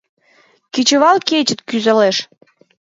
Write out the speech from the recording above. Кечывал кечет кӱзалеш -